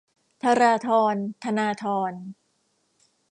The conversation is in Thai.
ธราธร ธนาธร